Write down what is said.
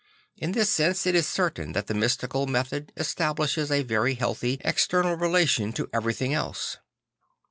In this sense it is certain that the mystical method establishes a very healthy external relation to everything else.